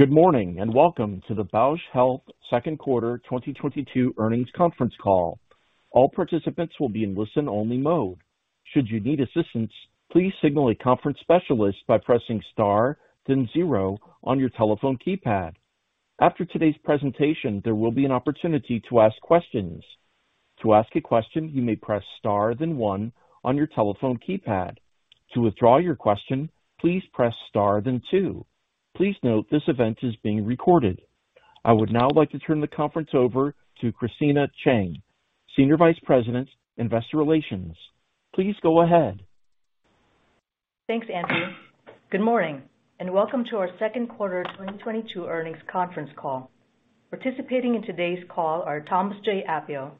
Good morning, and welcome to the Bausch Health 2nd quarter 2022 earnings conference call. All participants will be in listen-only mode. Should you need assistance, please signal a conference specialist by pressing star then zero on your telephone keypad. After today's presentation, there will be an opportunity to ask questions. To ask a question, you may press star then one on your telephone keypad. To withdraw your question, please press star then two. Please note this event is being recorded. I would now like to turn the conference over to Christina Cheng, Senior Vice President, Investor Relations. Please go ahead. Thanks, Andrew. Good morning, and welcome to our 2nd quarter 2022 earnings conference call. Participating in today's call are Thomas J. Appio,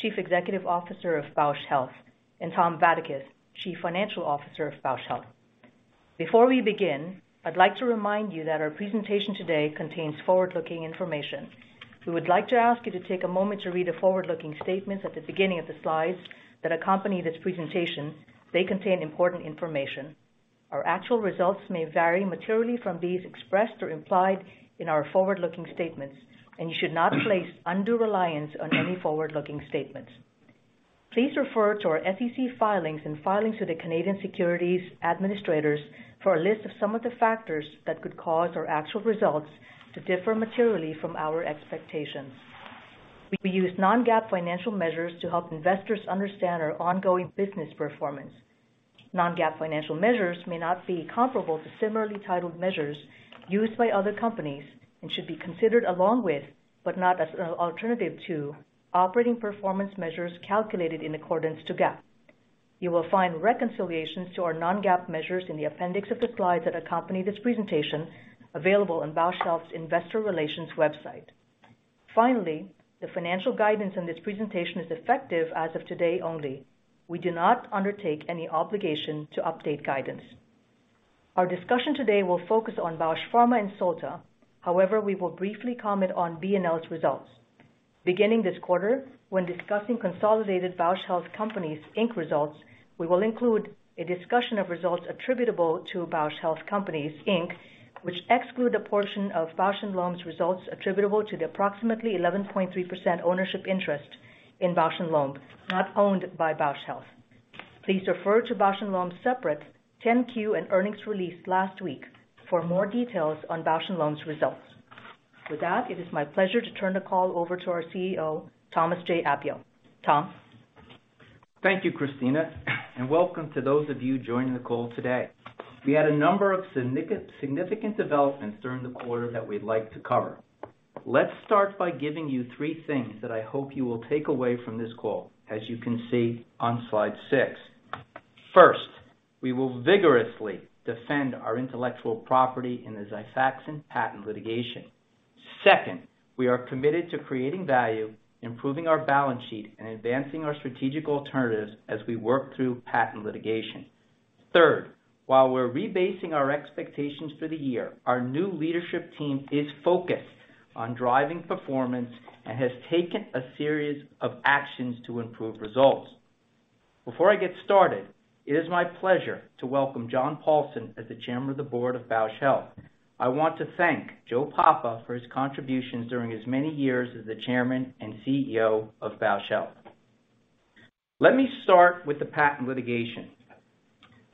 Chief Executive Officer of Bausch Health, and Tom Vadaketh, Chief Financial Officer of Bausch Health. Before we begin, I'd like to remind you that our presentation today contains forward-looking information. We would like to ask you to take a moment to read the forward-looking statements at the beginning of the slides that accompany this presentation. They contain important information. Our actual results may vary materially from these expressed or implied in our forward-looking statements, and you should not place undue reliance on any forward-looking statements. Please refer to our SEC filings and filings to the Canadian Securities Administrators for a list of some of the factors that could cause our actual results to differ materially from our expectations. We use non-GAAP financial measures to help investors understand our ongoing business performance. Non-GAAP financial measures may not be comparable to similarly titled measures used by other companies and should be considered along with, but not as an alternative to, operating performance measures calculated in accordance to GAAP. You will find reconciliations to our non-GAAP measures in the appendix of the slides that accompany this presentation, available on Bausch Health's investor relations website. Finally, the financial guidance in this presentation is effective as of today only. We do not undertake any obligation to update guidance. Our discussion today will focus on Bausch Pharma and Solta. However, we will briefly comment on B&L's results. Beginning this quarter, when discussing consolidated Bausch Health Companies Inc. results, we will include a discussion of results attributable to Bausch Health Companies Inc., which exclude a portion of Bausch + Lomb's results attributable to the approximately 11.3% ownership interest in Bausch + Lomb, not owned by Bausch Health. Please refer to Bausch + Lomb's separate 10-Q and earnings release last week for more details on Bausch + Lomb's results. With that, it is my pleasure to turn the call over to our CEO, Thomas J. Appio. Tom. Thank you, Christina, and welcome to those of you joining the call today. We had a number of significant developments during the quarter that we'd like to cover. Let's start by giving you three things that I hope you will take away from this call, as you can see on slide six. First, we will vigorously defend our intellectual property in the Xifaxan patent litigation. Second, we are committed to creating value, improving our balance sheet, and advancing our strategic alternatives as we work through patent litigation. Third, while we're rebasing our expectations for the year, our new leadership team is focused on driving performance and has taken a series of actions to improve results. Before I get started, it is my pleasure to welcome John Paulson as the Chairman of the Board of Bausch Health. I want to thank Joe Papa for his contributions during his many years as the Chairman and CEO of Bausch Health. Let me start with the patent litigation.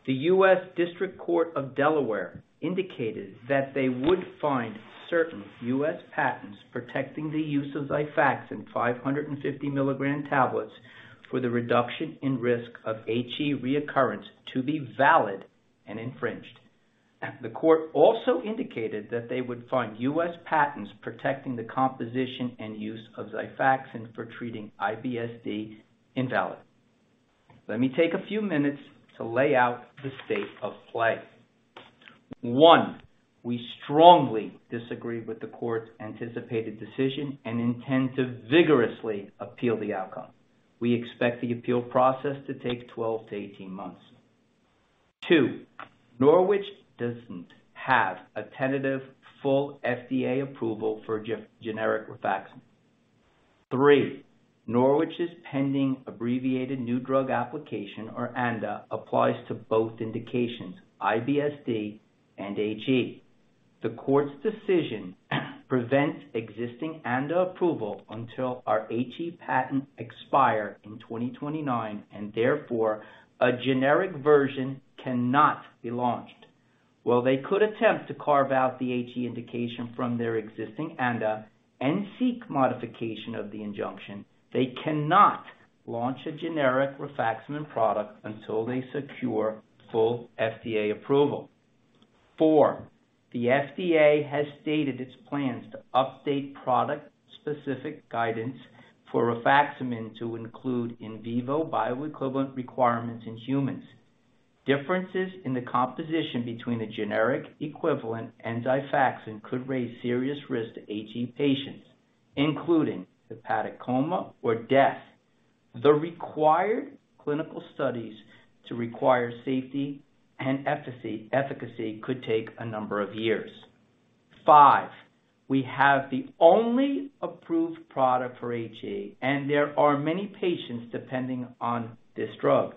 The U.S. District Court of Delaware indicated that they would find certain U.S. patents protecting the use of Xifaxan 550 milligram tablets for the reduction in risk of HE recurrence to be valid and infringed. The court also indicated that they would find U.S. patents protecting the composition and use of Xifaxan for treating IBS-D invalid. Let me take a few minutes to lay out the state of play. One, we strongly disagree with the court's anticipated decision and intend to vigorously appeal the outcome. We expect the appeal process to take 12-18 months. Two, Norwich doesn't have a tentative full FDA approval for generic rifaximin. Three, Norwich's pending abbreviated new drug application, or ANDA, applies to both indications, IBS-D and HE. The court's decision prevents existing ANDA approval until our HE patent expires in 2029, and therefore, a generic version cannot be launched. While they could attempt to carve out the HE indication from their existing ANDA and seek modification of the injunction, they cannot launch a generic rifaximin product until they secure full FDA approval. Four, the FDA has stated its plans to update product-specific guidance for rifaximin to include in vivo bioequivalent requirements in humans. Differences in the composition between the generic equivalent and Xifaxan could raise serious risks to HE patients, including hepatic coma or death. The required clinical studies to require safety and efficacy could take a number of years. Five, we have the only approved product for HE, and there are many patients depending on this drug.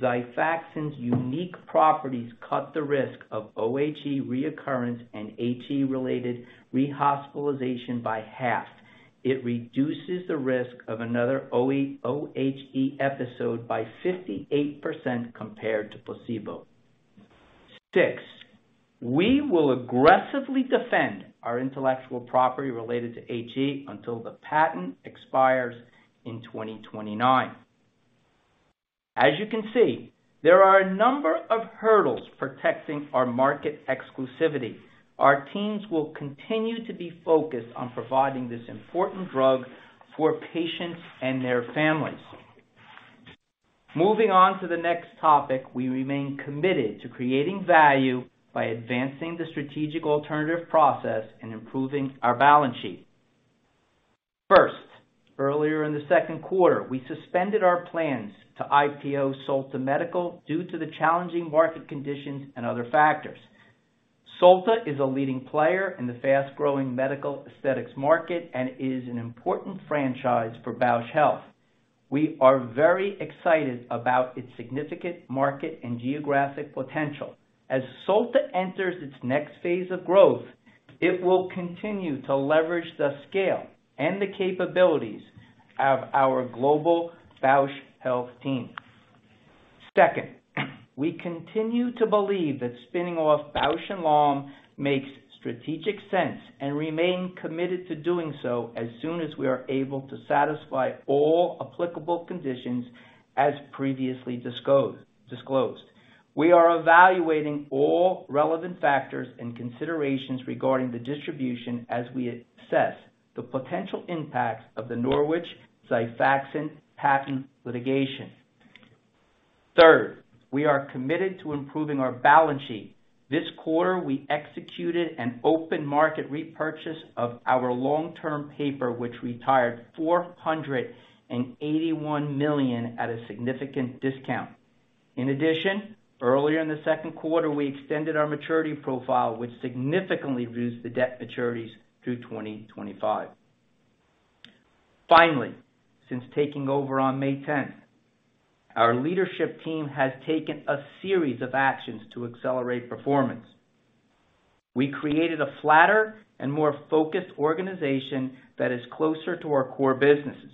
Xifaxan's unique properties cut the risk of OHE recurrence and HE-related rehospitalization by half. It reduces the risk of another OHE episode by 58% compared to placebo. Six, we will aggressively defend our intellectual property related to HE until the patent expires in 2029. As you can see, there are a number of hurdles protecting our market exclusivity. Our teams will continue to be focused on providing this important drug for patients and their families. Moving on to the next topic, we remain committed to creating value by advancing the strategic alternative process and improving our balance sheet. First, earlier in the 2nd quarter, we suspended our plans to IPO Solta Medical due to the challenging market conditions and other factors. Solta is a leading player in the fast-growing medical aesthetics market and is an important franchise for Bausch Health. We are very excited about its significant market and geographic potential. As Solta enters its next phase of growth, it will continue to leverage the scale and the capabilities of our global Bausch Health team. Second, we continue to believe that spinning off Bausch + Lomb makes strategic sense and remain committed to doing so as soon as we are able to satisfy all applicable conditions as previously disclosed. We are evaluating all relevant factors and considerations regarding the distribution as we assess the potential impacts of the Norwich Xifaxan patent litigation. Third, we are committed to improving our balance sheet. This quarter, we executed an open market repurchase of our long-term paper, which retired $481 million at a significant discount. In addition, earlier in the 2nd quarter, we extended our maturity profile, which significantly reduced the debt maturities through 2025. Finally, since taking over on May 10, our leadership team has taken a series of actions to accelerate performance. We created a flatter and more focused organization that is closer to our core businesses.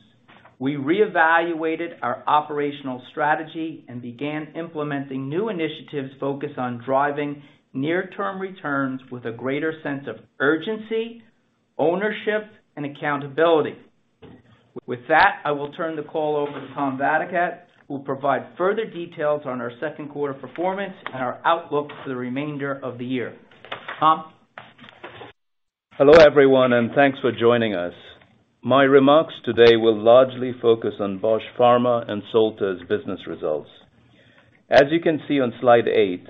We reevaluated our operational strategy and began implementing new initiatives focused on driving near-term returns with a greater sense of urgency, ownership, and accountability. With that, I will turn the call over to Tom Vadaketh, who will provide further details on our 2nd quarter performance and our outlook for the remainder of the year. Tom? Hello, everyone, and thanks for joining us. My remarks today will largely focus on Bausch Pharma and Solta's business results. As you can see on slide eight,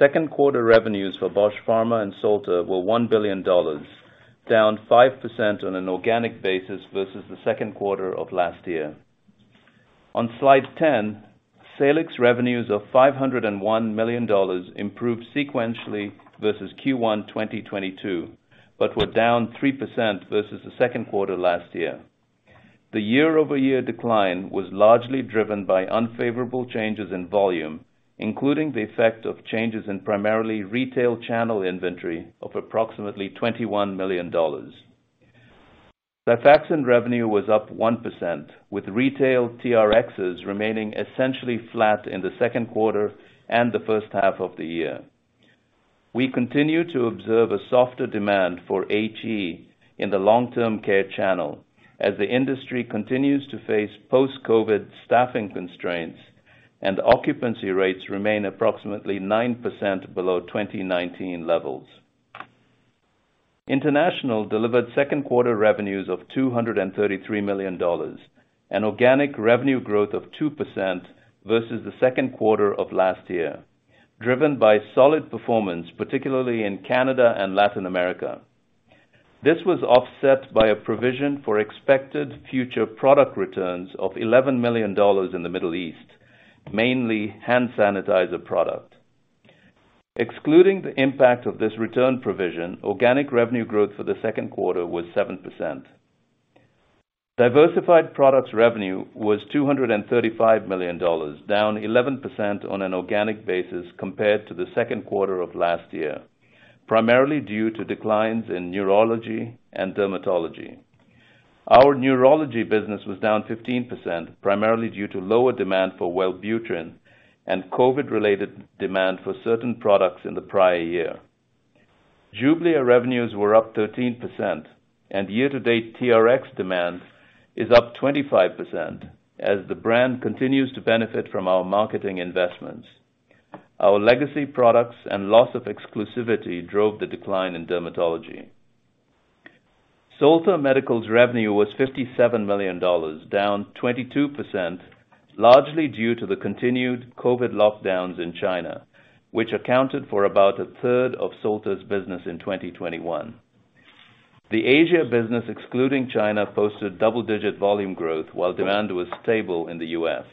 2nd quarter revenues for Bausch Pharma and Solta were $1 billion, down 5% on an organic basis versus the 2nd quarter of last year. On slide 10, Salix revenues of $501 million improved sequentially versus Q1 2022, but were down 3% versus the 2nd quarter last year. The year-over-year decline was largely driven by unfavorable changes in volume, including the effect of changes in primarily retail channel inventory of approximately $21 million. Xifaxan revenue was up 1%, with retail TRXs remaining essentially flat in the 2nd quarter and the first half of the year. We continue to observe a softer demand for HE in the long-term care channel as the industry continues to face post-COVID staffing constraints and occupancy rates remain approximately 9% below 2019 levels. International delivered 2nd quarter revenues of $233 million, an organic revenue growth of 2% versus the 2nd quarter of last year, driven by solid performance, particularly in Canada and Latin America. This was offset by a provision for expected future product returns of $11 million in the Middle East, mainly hand sanitizer product. Excluding the impact of this return provision, organic revenue growth for the 2nd quarter was 7%. Diversified products revenue was $235 million, down 11% on an organic basis compared to the 2nd quarter of last year, primarily due to declines in neurology and dermatology. Our neurology business was down 15%, primarily due to lower demand for Wellbutrin and COVID-related demand for certain products in the prior year. Jublia revenues were up 13%, and year-to-date TRX demand is up 25% as the brand continues to benefit from our marketing investments. Our legacy products and loss of exclusivity drove the decline in dermatology. Solta Medical's revenue was $57 million, down 22%, largely due to the continued COVID lockdowns in China, which accounted for about a third of Solta's business in 2021. The Asia business, excluding China, posted double-digit volume growth while demand was stable in the US.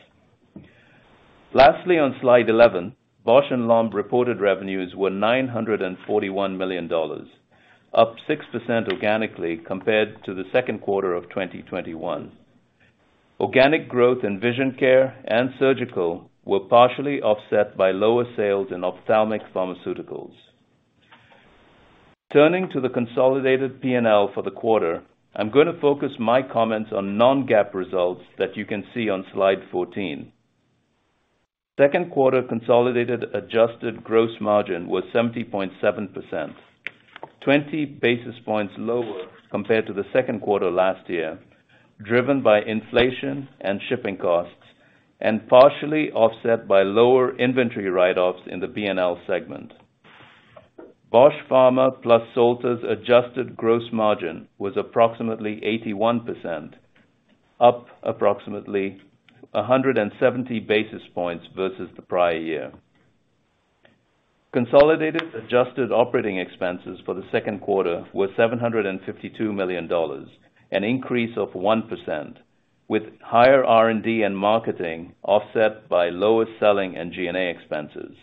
Lastly, on slide 11, Bausch + Lomb reported revenues were $941 million. Up 6% organically compared to the 2nd quarter of 2021. Organic growth in vision care and surgical were partially offset by lower sales in ophthalmic pharmaceuticals. Turning to the consolidated P&L for the quarter, I'm gonna focus my comments on non-GAAP results that you can see on slide 14. 2nd quarter consolidated adjusted gross margin was 70.7%. 20 basis points lower compared to the 2nd quarter last year, driven by inflation and shipping costs, and partially offset by lower inventory write-offs in the B&L segment. Bausch Pharma plus Solta's adjusted gross margin was approximately 81%, up approximately 170 basis points versus the prior year. Consolidated adjusted operating expenses for the 2nd quarter were $752 million, an increase of 1%, with higher R&D and marketing offset by lower selling and G&A expenses.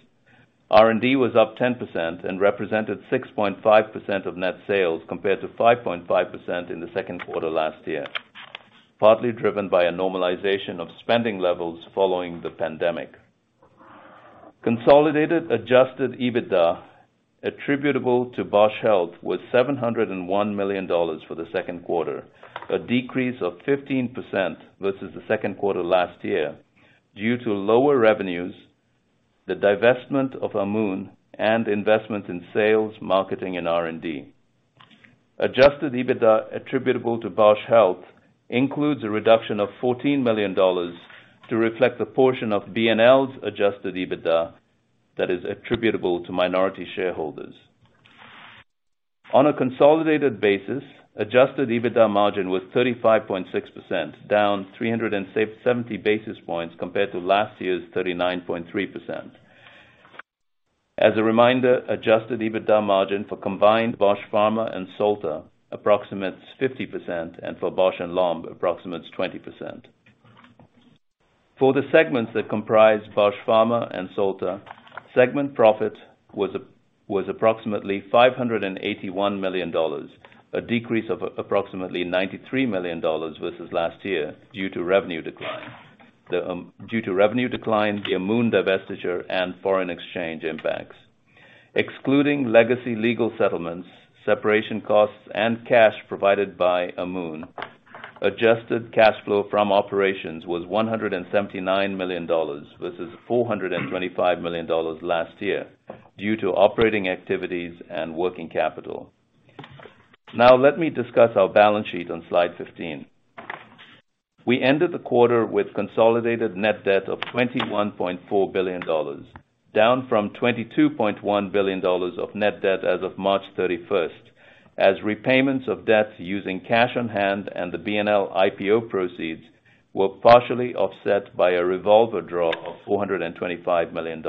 R&D was up 10% and represented 6.5% of net sales, compared to 5.5% in the 2nd quarter last year, partly driven by a normalization of spending levels following the pandemic. Consolidated adjusted EBITDA attributable to Bausch Health was $701 million for the 2nd quarter, a decrease of 15% versus the 2nd quarter last year due to lower revenues, the divestment of Amoun, and investments in sales, marketing, and R&D. Adjusted EBITDA attributable to Bausch Health includes a reduction of $14 million to reflect the portion of B&L's adjusted EBITDA that is attributable to minority shareholders. On a consolidated basis, adjusted EBITDA margin was 35.6%, down 370 basis points compared to last year's 39.3%. As a reminder, adjusted EBITDA margin for combined Bausch Pharma and Solta approximates 50%, and for Bausch + Lomb approximates 20%. For the segments that comprise Bausch Pharma and Solta, segment profit was approximately $581 million, a decrease of approximately $93 million versus last year due to revenue declines. Due to revenue decline, the Amoun divestiture, and foreign exchange impacts. Excluding legacy legal settlements, separation costs, and cash provided by Amoun, adjusted cash flow from operations was $179 million versus $425 million last year due to operating activities and working capital. Now let me discuss our balance sheet on slide 15. We ended the quarter with consolidated net debt of $21.4 billion, down from $22.1 billion of net debt as of March 31, as repayments of debt using cash on hand and the B&L IPO proceeds were partially offset by a revolver draw of $425 million.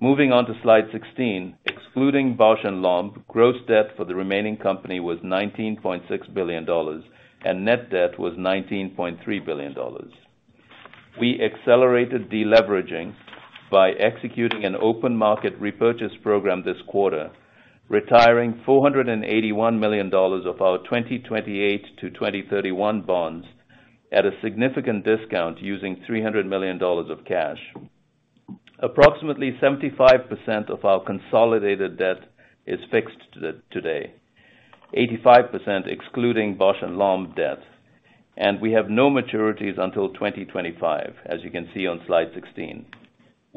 Moving on to slide 16. Excluding Bausch + Lomb, gross debt for the remaining company was $19.6 billion, and net debt was $19.3 billion. We accelerated deleveraging by executing an open market repurchase program this quarter, retiring $481 million of our 2028-2031 bonds at a significant discount using $300 million of cash. Approximately 75% of our consolidated debt is fixed today. 85% excluding Bausch + Lomb debt, and we have no maturities until 2025, as you can see on slide 16.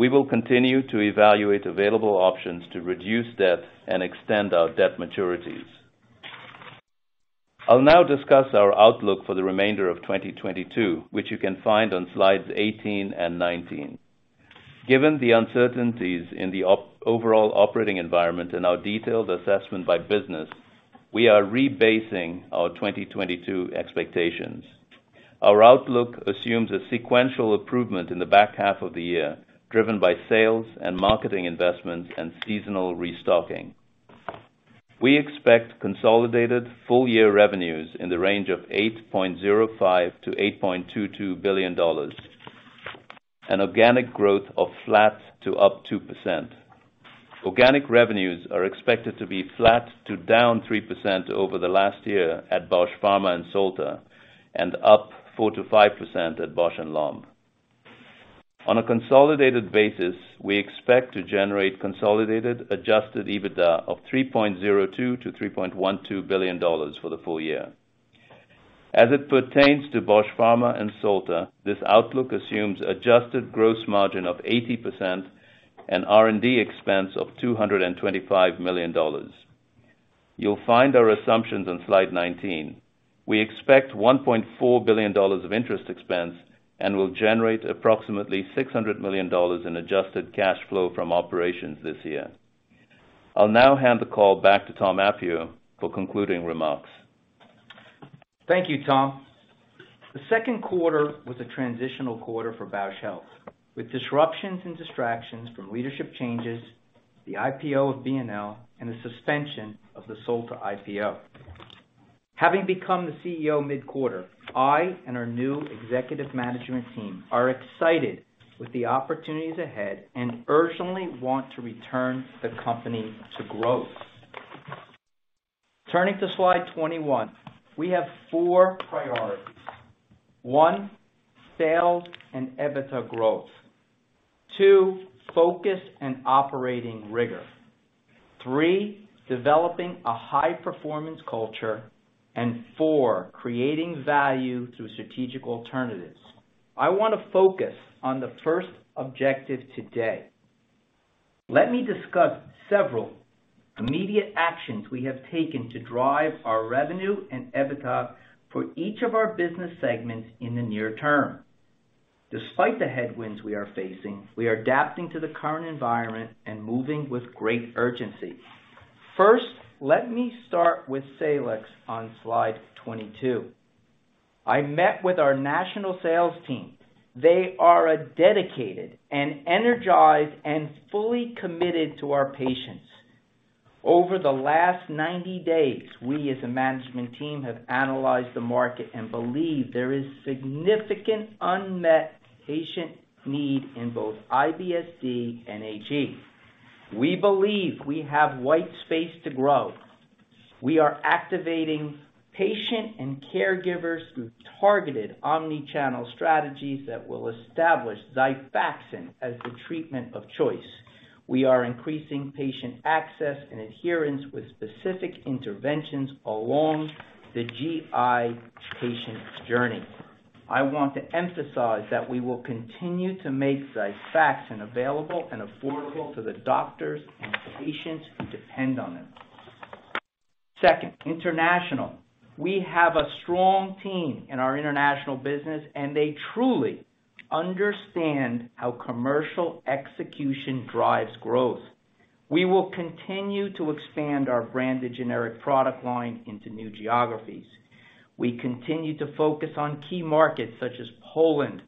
We will continue to evaluate available options to reduce debt and extend our debt maturities. I'll now discuss our outlook for the remainder of 2022, which you can find on slides 18 and 19. Given the uncertainties in the overall operating environment and our detailed assessment by business, we are rebasing our 2022 expectations. Our outlook assumes a sequential improvement in the back half of the year, driven by sales and marketing investments and seasonal restocking. We expect consolidated full-year revenues in the range of $8.05 billion-$8.22 billion, an organic growth of flat to up 2%. Organic revenues are expected to be flat to down 3% over the last year at Bausch Pharma and Solta, and up 4%-5% at Bausch + Lomb. On a consolidated basis, we expect to generate consolidated adjusted EBITDA of $3.02 billion-$3.12 billion for the full year. As it pertains to Bausch Pharma and Solta, this outlook assumes adjusted gross margin of 80% and R&D expense of $225 million. You'll find our assumptions on slide 19. We expect $1.4 billion of interest expense and will generate approximately $600 million in adjusted cash flow from operations this year. I'll now hand the call back to Tom Appio for concluding remarks. Thank you, Tom. The 2nd quarter was a transitional quarter for Bausch Health, with disruptions and distractions from leadership changes, the IPO of B&L, and the suspension of the Solta IPO. Having become the CEO mid-quarter, I and our new executive management team are excited with the opportunities ahead and urgently want to return the company to growth. Turning to slide 21, we have four priorities. One, sales and EBITDA growth. Two, focus and operating rigor. Three, developing a high performance culture. And four, creating value through strategic alternatives. I wanna focus on the first objective today. Let me discuss several immediate actions we have taken to drive our revenue and EBITDA for each of our business segments in the near term. Despite the headwinds we are facing, we are adapting to the current environment and moving with great urgency. First, let me start with Salix on slide 22. I met with our national sales team. They are dedicated and energized and fully committed to our patients. Over the last 90 days, we as a management team, have analyzed the market and believe there is significant unmet patient need in both IBS-D and HE. We believe we have white space to grow. We are activating patient and caregivers through targeted omni-channel strategies that will establish Xifaxan as the treatment of choice. We are increasing patient access and adherence with specific interventions along the GI patient journey. I want to emphasize that we will continue to make Xifaxan available and affordable to the doctors and patients who depend on it. Second, international. We have a strong team in our international business, and they truly understand how commercial execution drives growth. We will continue to expand our branded generic product line into new geographies. We continue to focus on key markets such as Poland,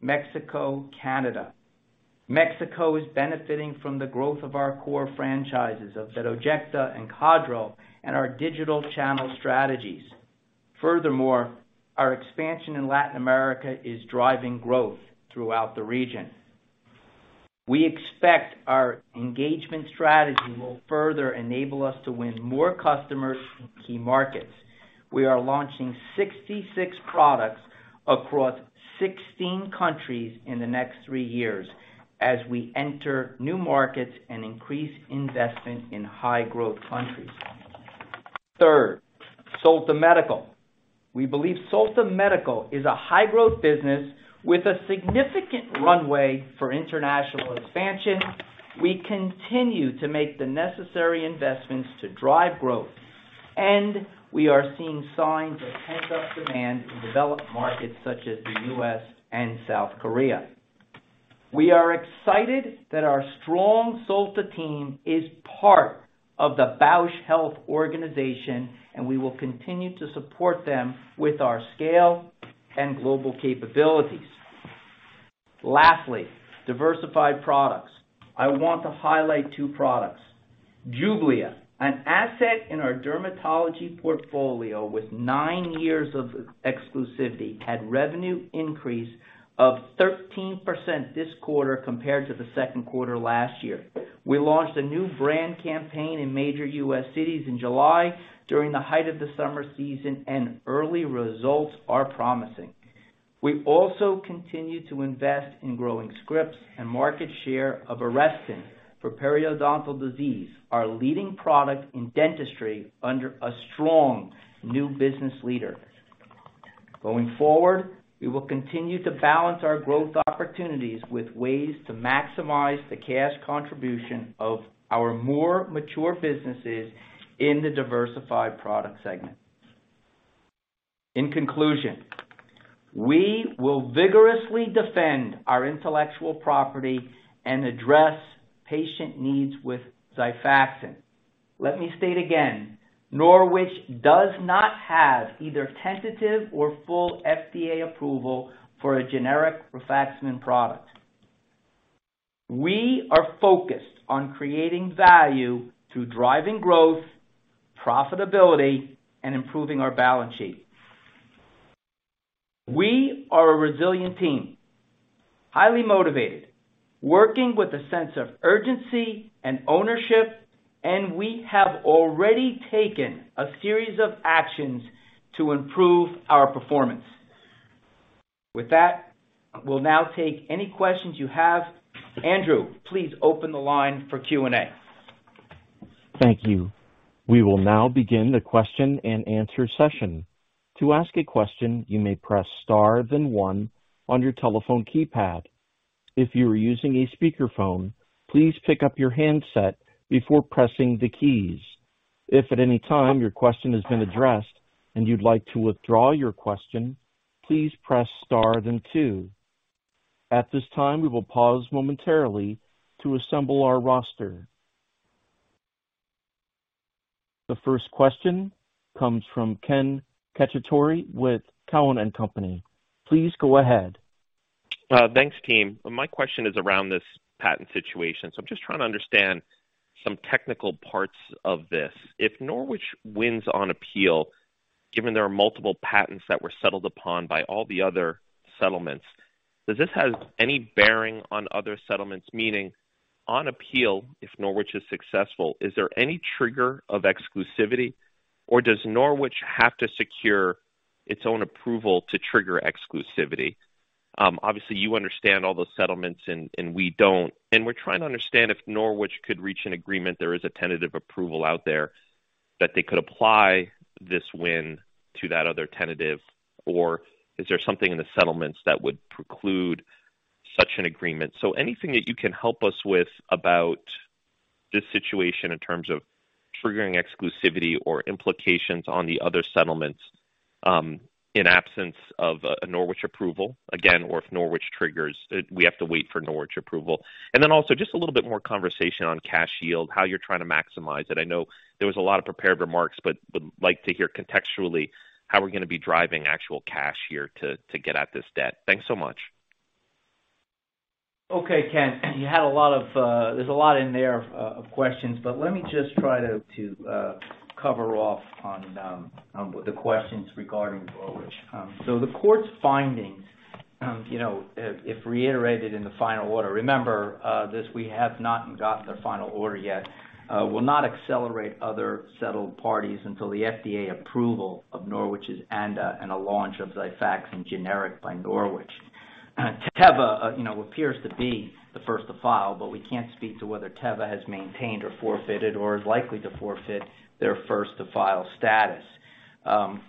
Mexico, Canada. Mexico is benefiting from the growth of our core franchises of Bedoyecta and Cadral and our digital channel strategies. Furthermore, our expansion in Latin America is driving growth throughout the region. We expect our engagement strategy will further enable us to win more customers in key markets. We are launching 66 products across 16 countries in the next three years as we enter new markets and increase investment in high growth countries. Third, Solta Medical. We believe Solta Medical is a high growth business with a significant runway for international expansion. We continue to make the necessary investments to drive growth, and we are seeing signs of pent-up demand in developed markets such as the U.S. and South Korea. We are excited that our strong Solta team is part of the Bausch Health organization, and we will continue to support them with our scale and global capabilities. Lastly, diversified products. I want to highlight two products. Jublia, an asset in our dermatology portfolio with 9 years of exclusivity, had revenue increase of 13% this quarter compared to the 2nd quarter last year. We launched a new brand campaign in major U.S. cities in July during the height of the summer season, and early results are promising. We also continue to invest in growing scripts and market share of Arestin for periodontal disease, our leading product in dentistry under a strong new business leader. Going forward, we will continue to balance our growth opportunities with ways to maximize the cash contribution of our more mature businesses in the diversified product segment. In conclusion, we will vigorously defend our intellectual property and address patient needs with Xifaxan. Let me state again, Norwich does not have either tentative or full FDA approval for a generic rifaximin product. We are focused on creating value through driving growth, profitability, and improving our balance sheet. We are a resilient team, highly motivated, working with a sense of urgency and ownership, and we have already taken a series of actions to improve our performance. With that, we'll now take any questions you have. Andrew, please open the line for Q&A. Thank you. We will now begin the question and answer session. To ask a question, you may press star then one on your telephone keypad. If you are using a speakerphone, please pick up your handset before pressing the keys. If at any time your question has been addressed and you'd like to withdraw your question, please press star then two. At this time, we will pause momentarily to assemble our roster. The first question comes from Ken Cacciatore with Cowen and Company. Please go ahead. Thanks team. My question is around this patent situation. I'm just trying to understand some technical parts of this. If Norwich wins on appeal, given there are multiple patents that were settled upon by all the other settlements, does this have any bearing on other settlements? Meaning on appeal, if Norwich is successful, is there any trigger of exclusivity or does Norwich have to secure its own approval to trigger exclusivity? Obviously you understand all those settlements and we don't, and we're trying to understand if Norwich could reach an agreement, there is a tentative approval out there that they could apply this win to that other tentative, or is there something in the settlements that would preclude such an agreement? Anything that you can help us with about this situation in terms of triggering exclusivity or implications on the other settlements, in absence of a Norwich approval, again, or if Norwich triggers, we have to wait for Norwich approval. Then also just a little bit more conversation on cash yield, how you're trying to maximize it. I know there was a lot of prepared remarks, but would like to hear contextually how we're gonna be driving actual cash here to get at this debt. Thanks so much. Okay, Ken, you had a lot of, there's a lot in there of questions, but let me just try to cover off on the questions regarding Norwich. The court's findings, you know, if reiterated in the final order, remember, this, we have not got the final order yet, will not accelerate other settled parties until the FDA approval of Norwich's ANDA and a launch of Xifaxan generic by Norwich. Teva, you know, appears to be the first to file, but we can't speak to whether Teva has maintained or forfeited or is likely to forfeit their first to file status.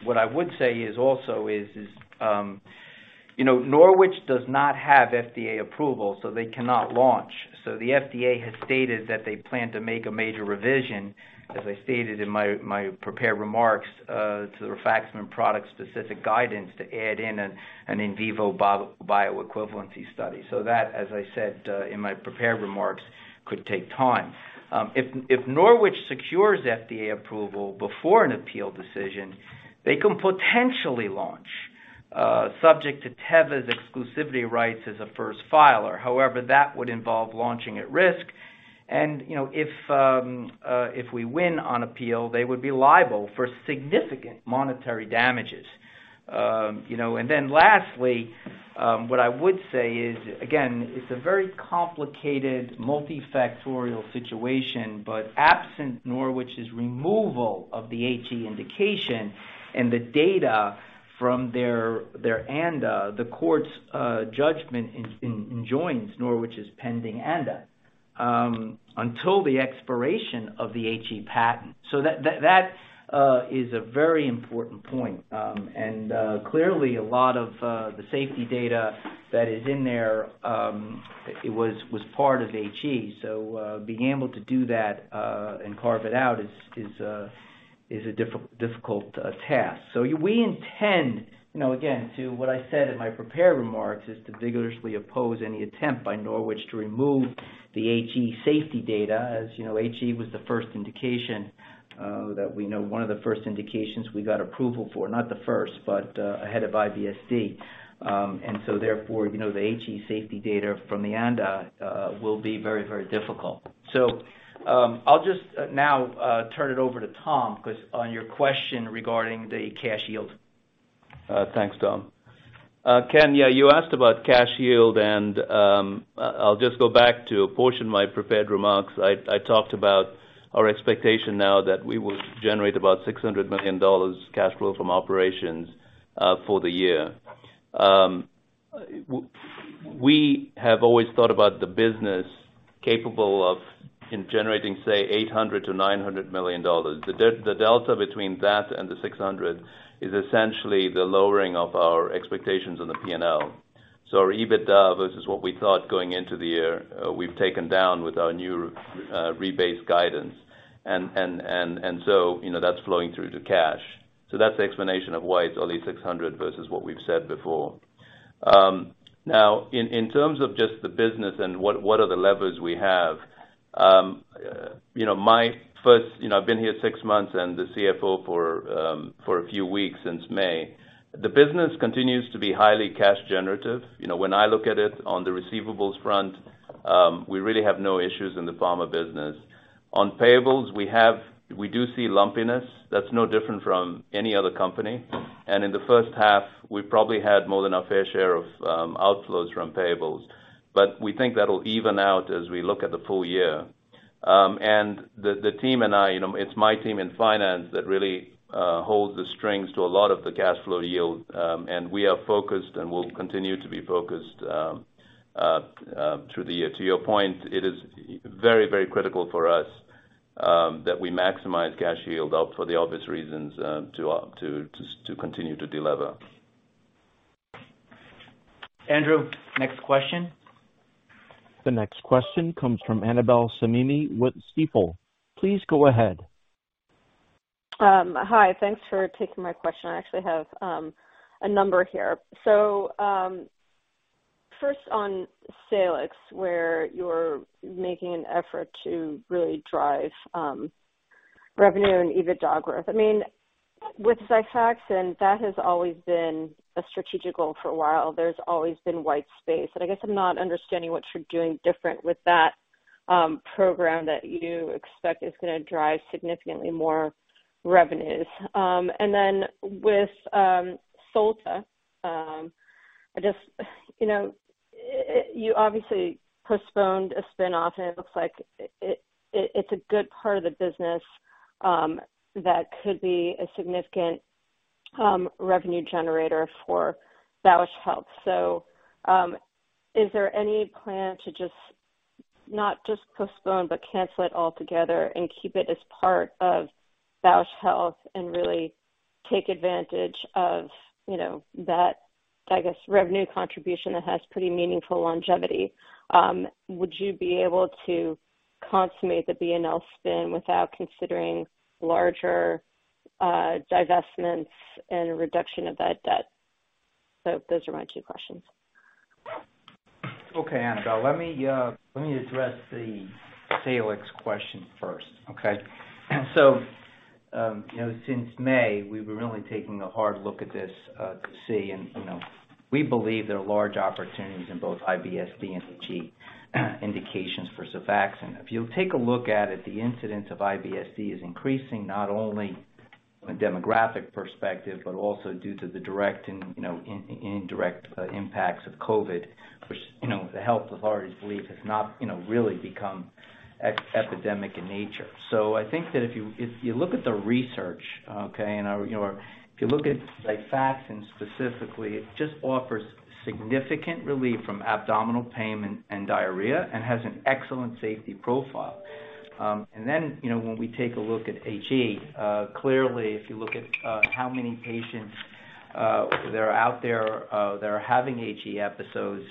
What I would say is also, you know, Norwich does not have FDA approval, so they cannot launch. The FDA has stated that they plan to make a major revision, as I stated in my prepared remarks, to the rifaximin product-specific guidance to add in an in vivo bioequivalence study. That, as I said in my prepared remarks, could take time. If Norwich secures FDA approval before an appeal decision, they can potentially launch, subject to Teva's exclusivity rights as a first filer. However, that would involve launching at risk and, you know, if we win on appeal, they would be liable for significant monetary damages. You know, lastly, what I would say is, again, it's a very complicated multifactorial situation, but absent Norwich's removal of the HE indication and the data from their ANDA, the court's judgment enjoins Norwich's pending ANDA until the expiration of the HE patent. That is a very important point. Clearly a lot of the safety data that is in there, it was part of HE. Being able to do that and carve it out is a difficult task. We intend, you know, again, to what I said in my prepared remarks, is to vigorously oppose any attempt by Norwich to remove the HE safety data. As you know, HE was the first indication that we know one of the first indications we got approval for, not the first, but ahead of IBS-D. You know, the HE safety data from the ANDA will be very, very difficult. I'll just now turn it over to Tom 'cause on your question regarding the cash yield. Thanks, Tom. Ken, yeah, you asked about cash yield, and I'll just go back to a portion of my prepared remarks. I talked about our expectation now that we will generate about $600 million cash flow from operations for the year. We have always thought about the business capable of generating, say, $800 million-$900 million. The delta between that and the $600 million is essentially the lowering of our expectations on the P&L. Our EBITDA versus what we thought going into the year, we've taken down with our new rebased guidance, and so, you know, that's flowing through to cash. That's the explanation of why it's only $600 million versus what we've said before. Now in terms of just the business and what are the levers we have. I've been here six months and the CFO for a few weeks since May. The business continues to be highly cash generative. When I look at it on the receivables front, we really have no issues in the pharma business. On payables, we do see lumpiness that's no different from any other company. In the first half, we probably had more than our fair share of outflows from payables. We think that'll even out as we look at the full year. The team and I, you know, it's my team in finance that really holds the strings to a lot of the cash flow yield. We are focused and will continue to be focused through the year. To your point, it is very, very critical for us that we maximize cash yield for the obvious reasons to continue to delever. Andrew, next question. The next question comes from Annabel Samimy with Stifel. Please go ahead. Hi. Thanks for taking my question. I actually have a number here. First on Salix, where you're making an effort to really drive revenue and EBITDA growth. I mean, with Xifaxan, that has always been a strategic goal for a while. There's always been white space, and I guess I'm not understanding what you're doing different with that program that you expect is gonna drive significantly more revenues. With Solta, I just, you know, you obviously postponed a spin off, and it looks like it's a good part of the business that could be a significant revenue generator for Bausch Health. Is there any plan to just not postpone, but cancel it altogether and keep it as part of Bausch Health and really take advantage of, you know, that, I guess, revenue contribution that has pretty meaningful longevity? Would you be able to consummate the B&L spin without considering larger, divestments and reduction of that debt? Those are my two questions. Okay, Annabel, let me address the Salix question first, okay? Since May, we've been really taking a hard look at this to see and, you know, we believe there are large opportunities in both IBS-D and HE indications for Xifaxan. If you'll take a look at it, the incidence of IBS-D is increasing not only from a demographic perspective, but also due to the direct and, you know, indirect impacts of COVID, which, you know, the health authorities believe has not, you know, really become epidemic in nature. I think that if you, if you look at the research, okay, and, you know, if you look at Xifaxan specifically, it just offers significant relief from abdominal pain and diarrhea and has an excellent safety profile. Then, you know, when we take a look at HE, clearly, if you look at how many patients that are out there that are having HE episodes,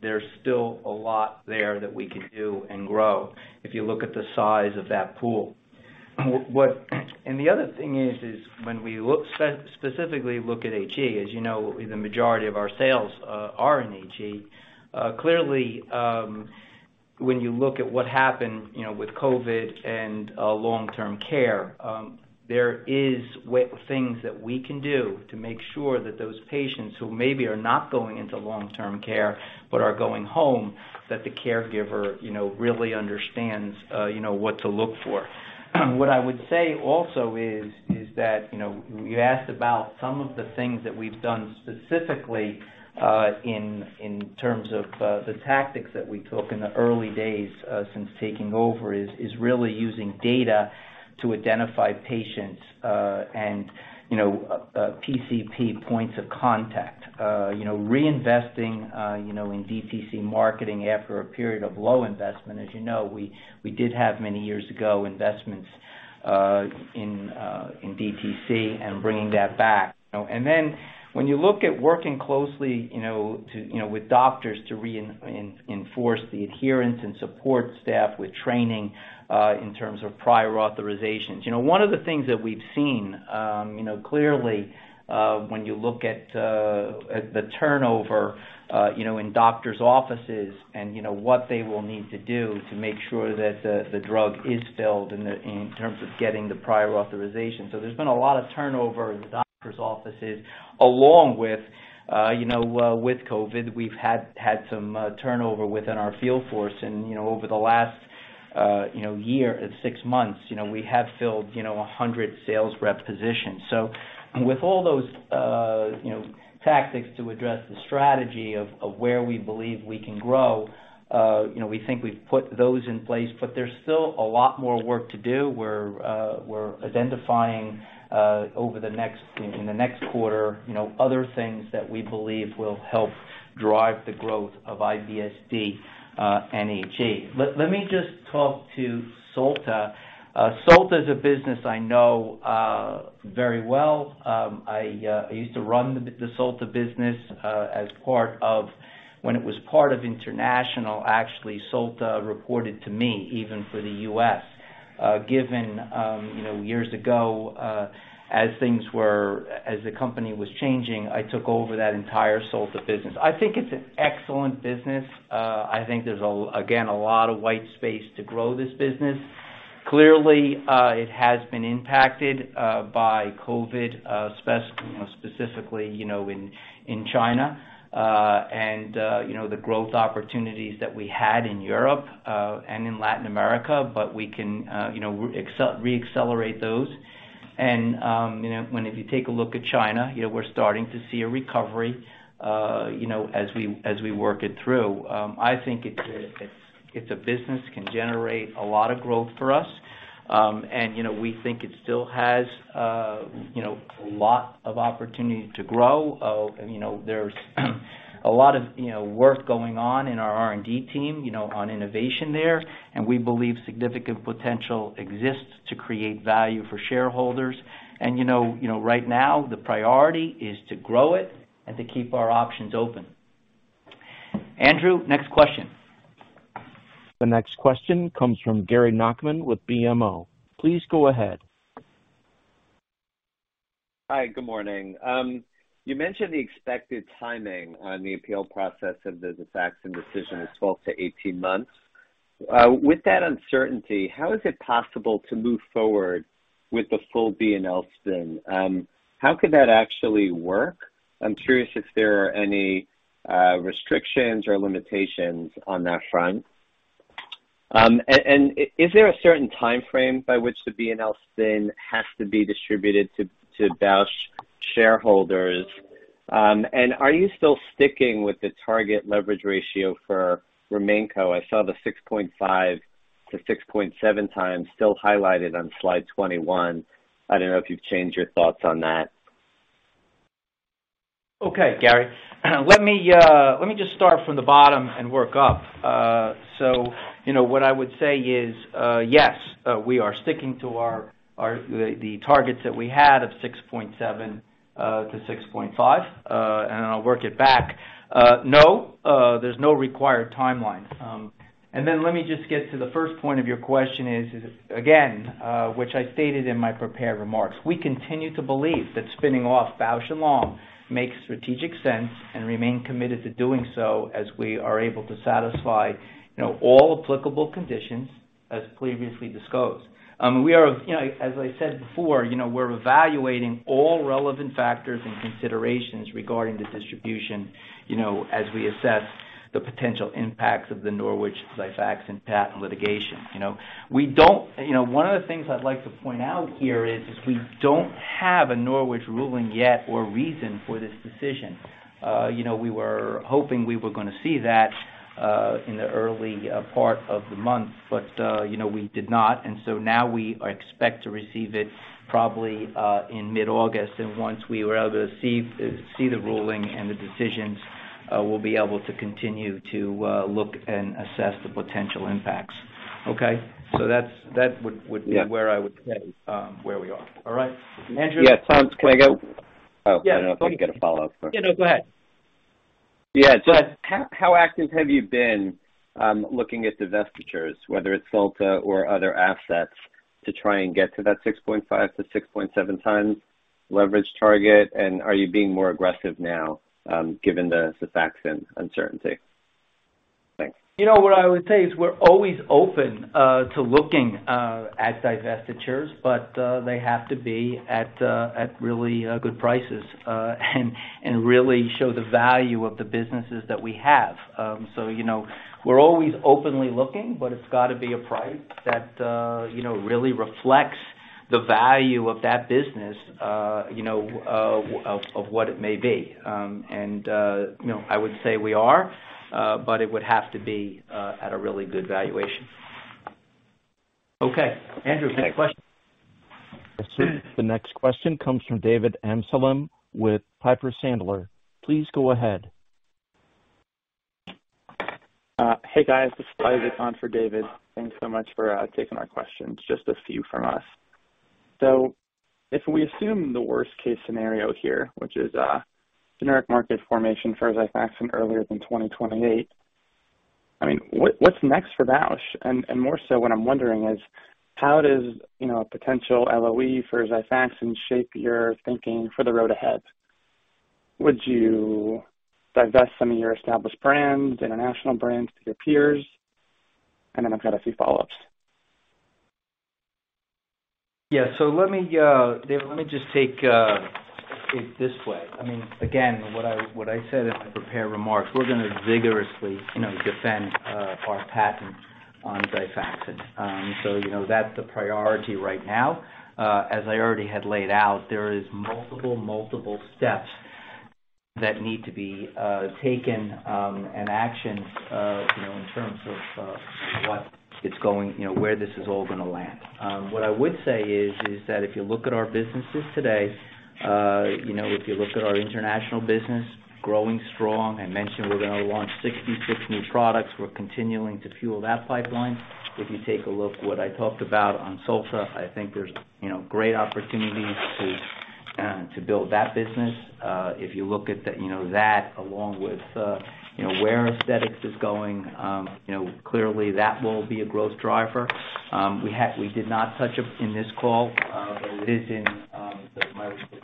there's still a lot there that we can do and grow if you look at the size of that pool. The other thing is when we look specifically at HE, as you know, the majority of our sales are in HE. Clearly, when you look at what happened, you know, with COVID and long-term care, there are things that we can do to make sure that those patients who maybe are not going into long-term care but are going home, that the caregiver, you know, really understands, you know, what to look for. What I would say also is that, you know, you asked about some of the things that we've done specifically, in terms of the tactics that we took in the early days, since taking over is really using data to identify patients, and, you know, PCP points of contact. You know, reinvesting, you know, in DTC marketing after a period of low investment. As you know, we did have many years ago investments in DTC and bringing that back. Then when you look at working closely, you know, you know, with doctors to reinforce the adherence and support staff with training, in terms of prior authorizations. You know, one of the things that we've seen, you know, clearly, when you look at the turnover, you know, in doctor's offices and, you know, what they will need to do to make sure that the drug is filled in terms of getting the prior authorization. There's been a lot of turnover in the doctor's offices along with, you know, with COVID. We've had some turnover within our field force and, you know, over the last year, six months, you know, we have filled 100 sales rep positions. With all those, you know, tactics to address the strategy of where we believe we can grow, you know, we think we've put those in place, but there's still a lot more work to do. We're identifying in the next quarter, you know, other things that we believe will help drive the growth of IBS-D and HE. Let me just talk to Solta. Solta is a business I know very well. I used to run the Solta business. When it was part of international, actually, Solta reported to me even for the US. Given you know years ago, as things were, as the company was changing, I took over that entire Solta business. I think it's an excellent business. I think there's again a lot of white space to grow this business. Clearly, it has been impacted by COVID, specifically, you know, in China, and, you know, the growth opportunities that we had in Europe, and in Latin America, but we can, you know, reaccelerate those. If you take a look at China, you know, we're starting to see a recovery, you know, as we work it through. I think it's a business that can generate a lot of growth for us. We think it still has, you know, a lot of opportunity to grow. You know, there's a lot of work going on in our R&D team, you know, on innovation there, and we believe significant potential exists to create value for shareholders. You know, right now the priority is to grow it and to keep our options open. Andrew, next question. The next question comes from Gary Nachman with BMO. Please go ahead. Hi, good morning. You mentioned the expected timing on the appeal process of the Xifaxan decision is 12-18 months. With that uncertainty, how is it possible to move forward with the full B&L spin? How could that actually work? I'm curious if there are any restrictions or limitations on that front. And is there a certain timeframe by which the B&L spin has to be distributed to Bausch shareholders? And are you still sticking with the target leverage ratio for RemainCo? I saw the 6.5-6.7x still highlighted on slide 21. I don't know if you've changed your thoughts on that. Okay, Gary. Let me just start from the bottom and work up. You know, what I would say is, yes, we are sticking to our targets that we had of $6.7-$6.5, and I'll work it back. No, there's no required timeline. Let me just get to the first point of your question, again, which I stated in my prepared remarks. We continue to believe that spinning off Bausch + Lomb makes strategic sense and remain committed to doing so, as we are able to satisfy, you know, all applicable conditions as previously disclosed. We are, you know, as I said before, you know, we're evaluating all relevant factors and considerations regarding the distribution, you know, as we assess the potential impacts of the Norwich Xifaxan patent litigation. You know, one of the things I'd like to point out here is we don't have a Norwich ruling yet or reason for this decision. You know, we were hoping we were gonna see that in the early part of the month, but you know, we did not. Now we expect to receive it probably in mid-August. Once we are able to see the ruling and the decisions, we'll be able to continue to look and assess the potential impacts. Okay? So that's that would be where I would say where we are. All right. Andrew. Yeah. Tom, can I go? Yes, please. Oh, I don't know if I can get a follow-up. Yeah, no, go ahead. How active have you been looking at divestitures, whether it's Solta or other assets, to try and get to that 6.5-6.7x leverage target? Are you being more aggressive now, given the Xifaxan uncertainty? Thanks. You know, what I would say is we're always open to looking at divestitures, but they have to be at really good prices and really show the value of the businesses that we have. So, you know, we're always openly looking, but it's gotta be a price that you know really reflects the value of that business you know of what it may be. You know, I would say we are, but it would have to be at a really good valuation. Okay. Andrew, next question. Yes, sir. The next question comes from Gary Nachman with BMO. Please go ahead. Hey, guys. Let me just take it this way. I mean, again, what I said in my prepared remarks, we're gonna vigorously, you know, defend our patent on Xifaxan. You know, that's the priority right now. As I already had laid out, there is multiple steps that need to be taken and actions, you know, in terms of what it's going, you know, where this is all gonna land. What I would say is that if you look at our businesses today, you know, if you look at our international business, growing strong. I mentioned we're gonna launch 66 new products. We're continuing to fuel that pipeline. If you take a look what I talked about on Solta, I think there's, you know, great opportunities to build that business. If you look at the, you know, that along with, you know, where aesthetics is going, you know, clearly that will be a growth driver. We did not touch in this call, but it is in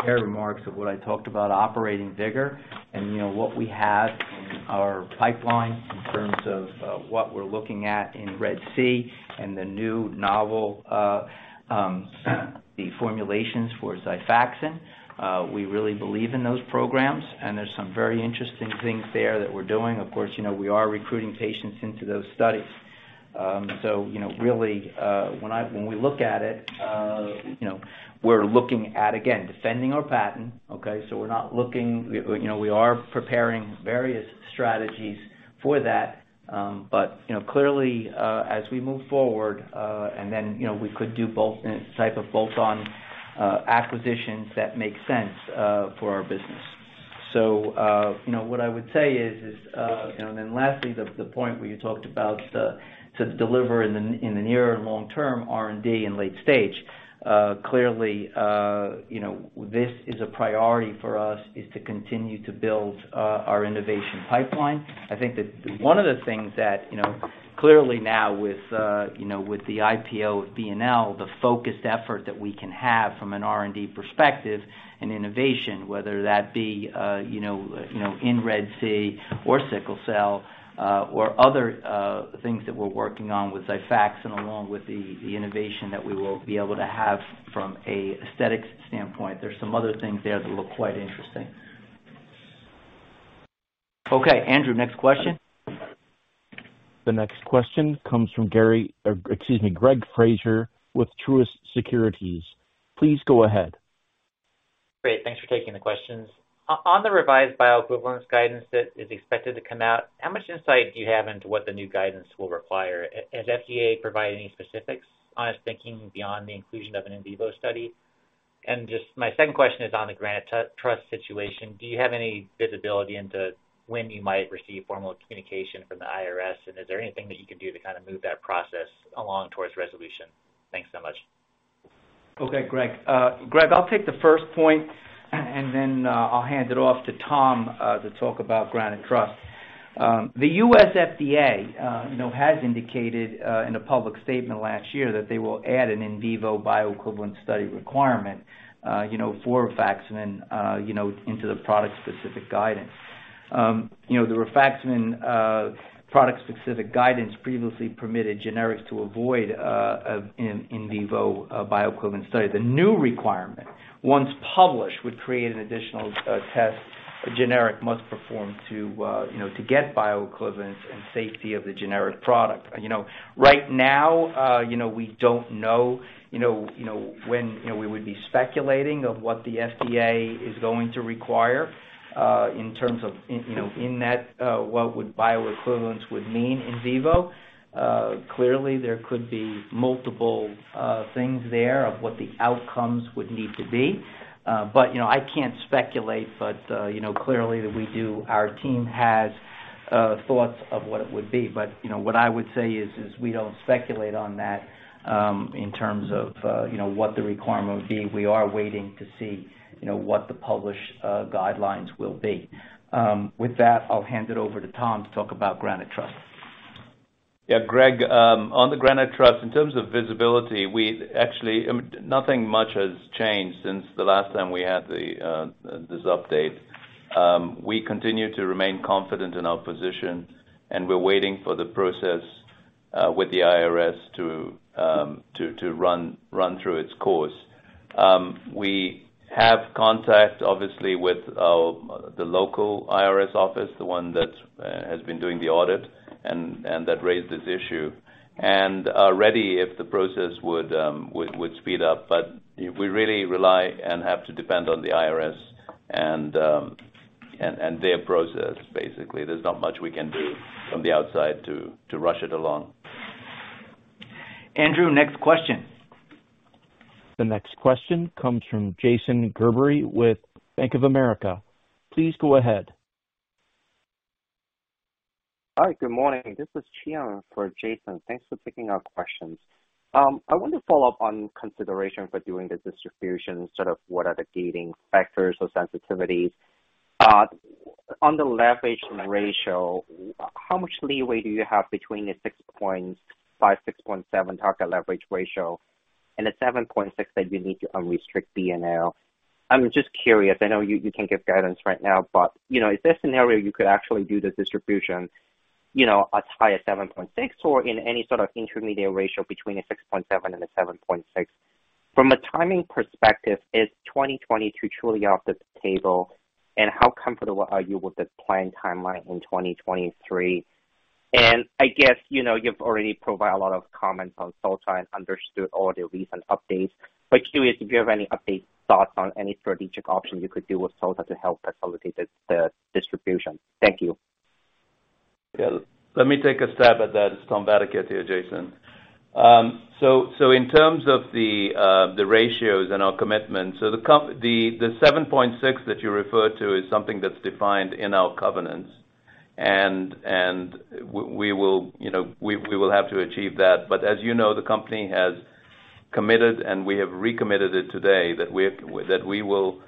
my prepared remarks of what I talked about operating vigor and, you know, what we have in our pipeline in terms of what we're looking at in RED-C and the new novel, the formulations for Xifaxan. We really believe in those programs, and there's some very interesting things there that we're doing. Of course, you know, we are recruiting patients into those studies. You know, really, when we look at it, you know, we're looking at, again, defending our patent, okay? We're not looking, you know, we are preparing various strategies for that. You know, clearly, as we move forward, and then, you know, we could do bolt-on acquisitions that make sense for our business. You know, what I would say is, you know, and then lastly, the point where you talked about to deliver in the near and long term R&D and late stage, clearly, you know, this is a priority for us, is to continue to build our innovation pipeline. I think that one of the things that, you know, clearly now with, you know, with the IPO of B&L, the focused effort that we can have from an R&D perspective and innovation, whether that be, you know, in RED-C or sickle cell, or other things that we're working on with Xifaxan along with the innovation that we will be able to have from a aesthetics standpoint. There's some other things there that look quite interesting. Okay, Andrew, next question. The next question comes from Gary, excuse me, Greg Fraser with Truist Securities. Please go ahead. Great. Thanks for taking the questions. On the revised bioequivalence guidance that is expected to come out, how much insight do you have into what the new guidance will require? Has FDA provided any specifics on its thinking beyond the inclusion of an in vivo study? And just my second question is on the Granite Trust situation. Do you have any visibility into when you might receive formal communication from the IRS? And is there anything that you can do to kind of move that process along towards resolution? Thanks so much. Okay, Greg. I'll take the first point, and then, I'll hand it off to Tom to talk about Granite Trust. The U.S. FDA, you know, has indicated in a public statement last year that they will add an in vivo bioequivalent study requirement, you know, for rifaximin, you know, into the product-specific guidance. You know, the rifaximin product-specific guidance previously permitted generics to avoid an in vivo bioequivalent study. The new requirement, once published, would create an additional test a generic must perform to, you know, to get bioequivalence and safety of the generic product. You know, right now, you know, we don't know, you know, we would be speculating on what the FDA is going to require in terms of what bioequivalence would mean in vivo. Clearly, there could be multiple things there of what the outcomes would need to be. You know, I can't speculate, but you know, clearly our team has thoughts of what it would be. You know, what I would say is we don't speculate on that in terms of you know what the requirement would be. We are waiting to see, you know, what the published guidelines will be. With that, I'll hand it over to Tom to talk about Granite Trust. Yeah, Greg, on the Granite Trust, in terms of visibility, we actually nothing much has changed since the last time we had this update. We continue to remain confident in our position, and we're waiting for the process with the IRS to run through its course. We have contact, obviously, with the local IRS office, the one that has been doing the audit and that raised this issue, and are ready if the process would speed up. We really rely and have to depend on the IRS and their process, basically. There's not much we can do from the outside to rush it along. Andrew, next question. The next question comes from Jason Gerberry with Bank of America. Please go ahead. All right. Good morning. This is Chian for Jason. Thanks for taking our questions. I want to follow up on consideration for doing the distribution, sort of what are the gating factors or sensitivities. On the leverage ratio, how much leeway do you have between the 6.5, 6.7 target leverage ratio and the 7.6 that you need to unrestrict B&L? I'm just curious. I know you can't give guidance right now, but, you know, in this scenario, you could actually do the distribution, you know, as high as 7.6 or in any sort of intermediate ratio between a 6.7 and a 7.6. From a timing perspective, is 2022 truly off the table? And how comfortable are you with the planned timeline in 2023? I guess, you know, you've already provided a lot of comments on Solta and understood all the recent updates. Curious if you have any updates, thoughts on any strategic options you could do with Solta to help facilitate the distribution. Thank you. Yeah. Let me take a stab at that. It's Tom Vadaketh here, Jason. In terms of the ratios and our commitments, the 7.6 that you referred to is something that's defined in our covenants. We will, you know, have to achieve that. As you know, the company has committed, and we have recommitted it today, that we will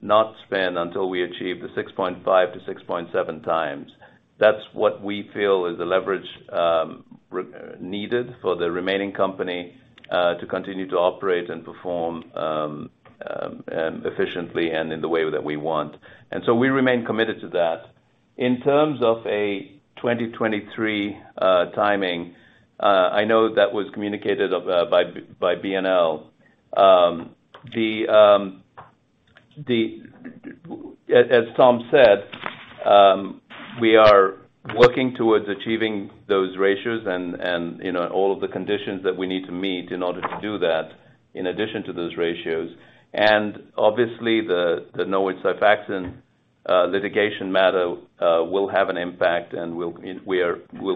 not spend until we achieve the 6.5x-6.7x. That's what we feel is the leverage needed for the remaining company to continue to operate and perform efficiently and in the way that we want. We remain committed to that. In terms of a 2023 timing, I know that was communicated by B&L. As Tom said, we are working towards achieving those ratios and, you know, all of the conditions that we need to meet in order to do that in addition to those ratios. Obviously, the Norwich-Xifaxan litigation matter will have an impact and we'll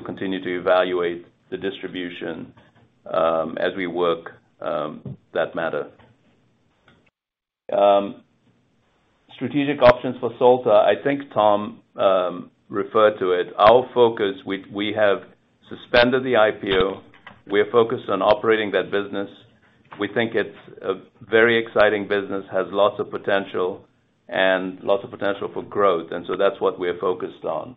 continue to evaluate the distribution as we work that matter. Strategic options for Solta. I think Tom referred to it. Our focus, we have suspended the IPO. We are focused on operating that business. We think it's a very exciting business, has lots of potential and lots of potential for growth, and that's what we are focused on.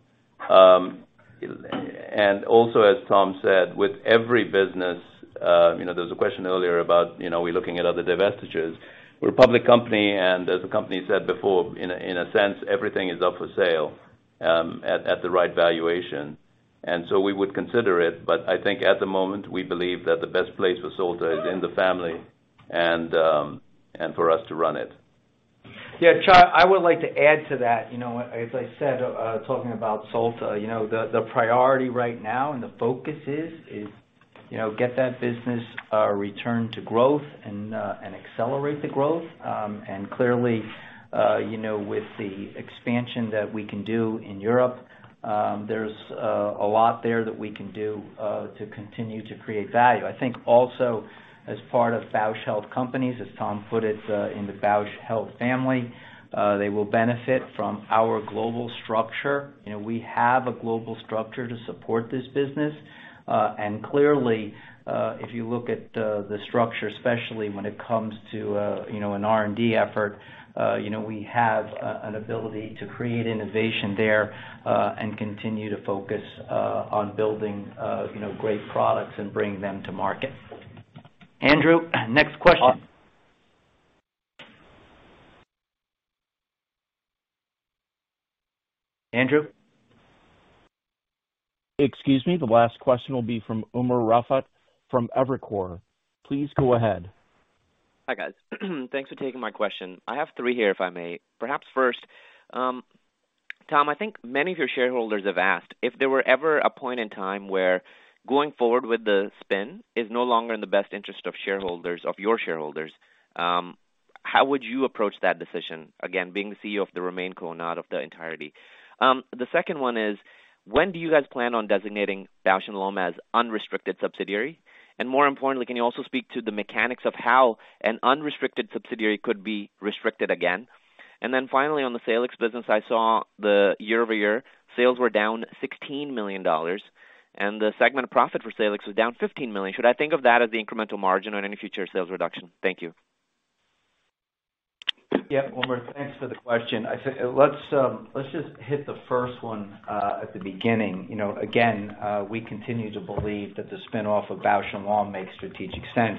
As Tom said, with every business, you know, there was a question earlier about, you know, are we looking at other divestitures? We're a public company, and as the company said before, in a sense, everything is up for sale at the right valuation. We would consider it, but I think at the moment, we believe that the best place for Solta is in the family and for us to run it. Yeah, Chian, I would like to add to that. You know, as I said, talking about Solta, you know, the priority right now and the focus is, you know, get that business return to growth and accelerate the growth. And clearly, you know, with the expansion that we can do in Europe, there's a lot there that we can do to continue to create value. I think also, as part of Bausch Health Companies, as Tom put it, in the Bausch Health family, they will benefit from our global structure. You know, we have a global structure to support this business. Clearly, if you look at the structure, especially when it comes to, you know, an R&D effort, you know, we have an ability to create innovation there, and continue to focus on building, you know, great products and bring them to market. Andrew, next question. Andrew? Excuse me. The last question will be from Umer Raffat from Evercore. Please go ahead. Hi, guys. Thanks for taking my question. I have three here, if I may. Perhaps first, Tom, I think many of your shareholders have asked if there were ever a point in time where going forward with the spin is no longer in the best interest of shareholders, of your shareholders, how would you approach that decision? Again, being the CEO of the RemainCo, not of the entirety. The second one is when do you guys plan on designating Bausch + Lomb as unrestricted subsidiary? And more importantly, can you also speak to the mechanics of how an unrestricted subsidiary could be restricted again? And then finally, on the Salix business, I saw the year-over-year sales were down $16 million, and the segment profit for Salix was down $15 million. Should I think of that as the incremental margin on any future sales reduction? Thank you. Yeah. Umer, thanks for the question. I think let's just hit the first one at the beginning. You know, again, we continue to believe that the spin-off of Bausch + Lomb makes strategic sense,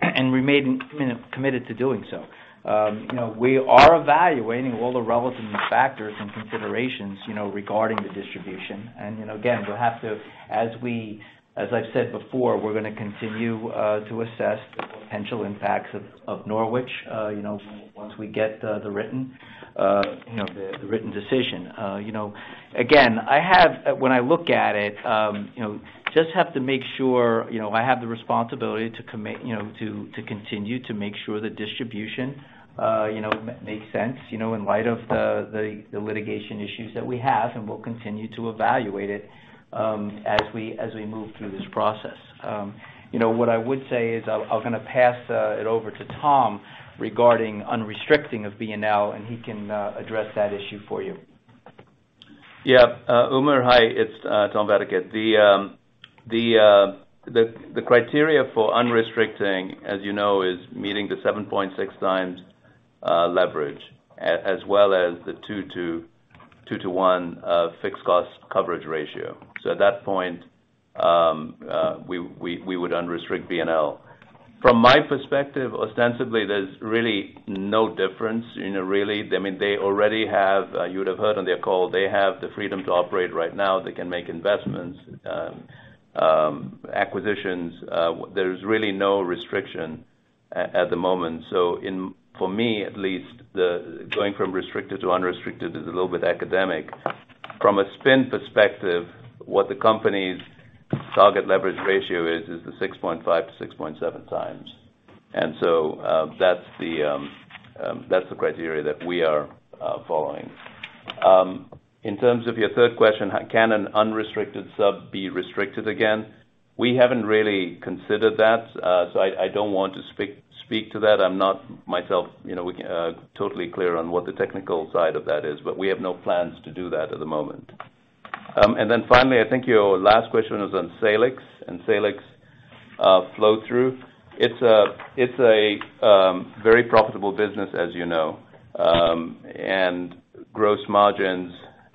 and remain, you know, committed to doing so. You know, we are evaluating all the relevant factors and considerations, you know, regarding the distribution. You know, again, we'll have to as I've said before, we're gonna continue to assess the potential impacts of Norwich, you know, once we get the written decision. You know, again, when I look at it, you know, just have to make sure, you know, I have the responsibility to commit, you know, to continue to make sure the distribution, you know, makes sense, you know, in light of the litigation issues that we have, and we'll continue to evaluate it, as we move through this process. You know, what I would say is I'm gonna pass it over to Tom regarding unrestricting of B&L, and he can address that issue for you. Yeah. Umer, hi, it's Tom Vadaketh. The criteria for unrestricting, as you know, is meeting the 7.6 times leverage as well as the two to one fixed charge coverage ratio. At that point, we would unrestrict B&L. From my perspective, ostensibly, there's really no difference, you know, really. I mean, they already have, you would have heard on their call, they have the freedom to operate right now. They can make investments, acquisitions. There's really no restriction at the moment. For me, at least, the going from restricted to unrestricted is a little bit academic. From a spin perspective, what the company's target leverage ratio is the 6.5-6.7 times. That's the criteria that we are following. In terms of your third question, can an unrestricted sub be restricted again? We haven't really considered that, so I don't want to speak to that. I'm not myself, you know, totally clear on what the technical side of that is, but we have no plans to do that at the moment. And then finally, I think your last question was on Salix flow-through. It's a very profitable business, as you know, and gross margins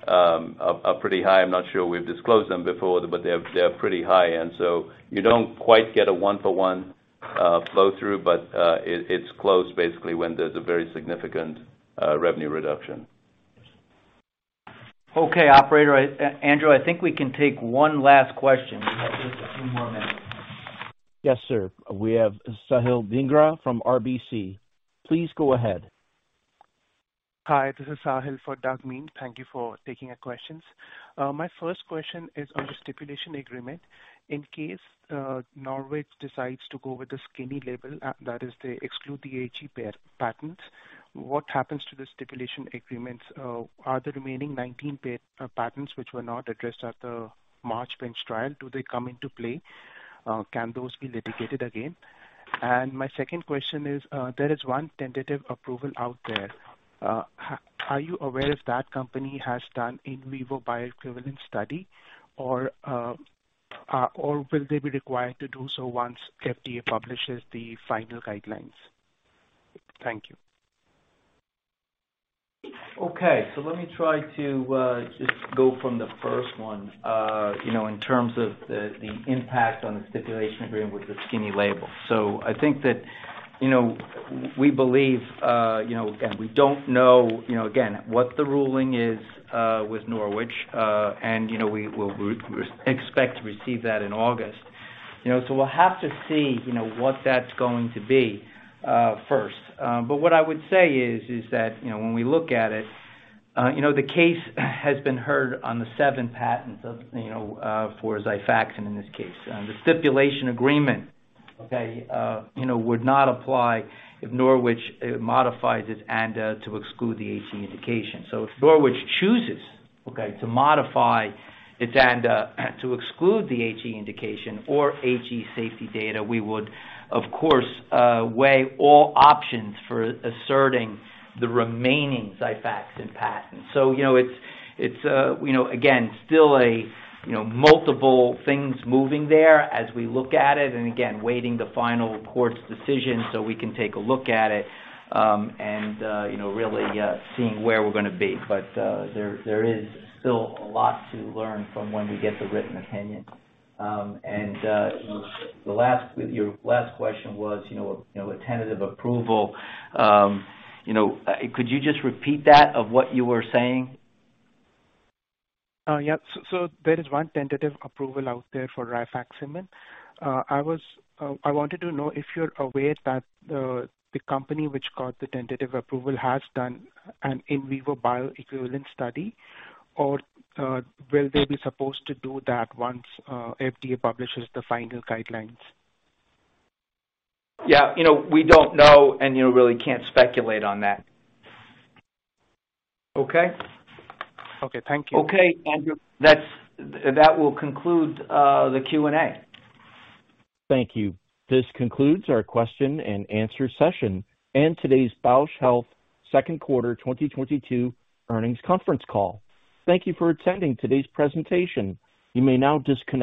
are pretty high. I'm not sure we've disclosed them before, but they're pretty high. You don't quite get a one for one flow-through, but it's close basically when there's a very significant revenue reduction. Okay, operator. Andrew, I think we can take one last question. We have just a few more minutes. Yes, sir. We have Sahil Dhingra from RBC. Please go ahead. Hi, this is Sahil for Doug Miehm. Thank you for taking our questions. My first question is on the stipulation agreement. In case Norwich decides to go with a skinny label, that is they exclude the HE patents, what happens to the stipulation agreements? Are the remaining 19 patents which were not addressed at the March bench trial, do they come into play? Can those be litigated again? My second question is, there is one tentative approval out there. Are you aware if that company has done in vivo bioequivalence study or will they be required to do so once FDA publishes the final guidelines? Thank you. Okay. Let me try to just go from the first one, you know, in terms of the impact on the stipulation agreement with the skinny label. I think that, you know, we believe, you know, and we don't know, you know, again, what the ruling is with Norwich. We will expect to receive that in August, you know. We'll have to see, you know, what that's going to be, first. What I would say is that, you know, when we look at it, you know, the case has been heard on the seven patents for Xifaxan in this case. The stipulation agreement, you know, would not apply if Norwich modifies its ANDA to exclude the HE indication. If Norwich chooses to modify its ANDA to exclude the HE indication or HE safety data, we would of course weigh all options for asserting the remaining Xifaxan patents. You know, it's again still a multiple things moving there as we look at it, and again waiting the final court's decision so we can take a look at it, and you know really seeing where we're gonna be. There is still a lot to learn from when we get the written opinion. What your last question was you know a tentative approval you know could you just repeat that, what you were saying? Yeah. There is one tentative approval out there for rifaximin. I wanted to know if you're aware that the company which got the tentative approval has done an in vivo bioequivalent study. Will they be supposed to do that once FDA publishes the final guidelines? Yeah. You know, we don't know, and you really can't speculate on that. Okay? Okay. Thank you. Okay, Andrew. That will conclude the Q&A. Thank you. This concludes our question and answer session and today's Bausch Health 2nd quarter 2022 earnings conference call. Thank you for attending today's presentation. You may now disconnect.